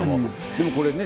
でもこれね